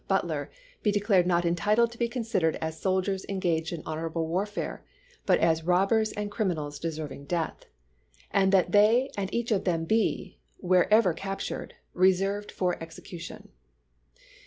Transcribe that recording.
Butler be declared not entitled to be considered as soldiers pa^is, engaged in honorable warfare, but as robbers and ^''«oi™''" criminals deserving death ; and that they and each isg^.^^'Av.^r. of them be, wherever captured, reserved for execu pp^g'oe, 967. tion."